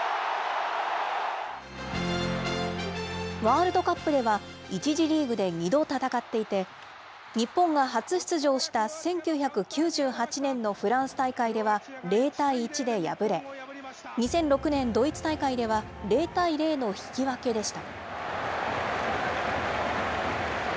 ワールドカップでは、１次リーグで２度戦っていて、日本が初出場した１９９８年のフランス大会では０対１で敗れ、２００６年ドイツ大会では、０対０の引き分けでした。